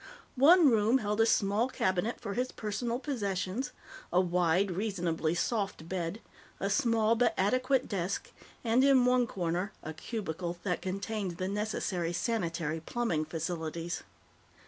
One room held a small cabinet for his personal possessions, a wide, reasonably soft bed, a small but adequate desk, and, in one corner, a cubicle that contained the necessary sanitary plumbing facilities.